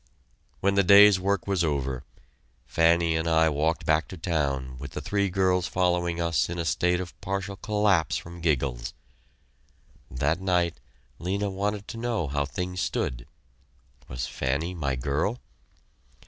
When the day's work was over, Fanny and I walked back to town with the three girls following us in a state of partial collapse from giggles. That night, Lena wanted to know how things stood. Was Fanny my girl?